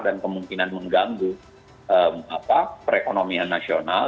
dan kemungkinan mengganggu perekonomian nasional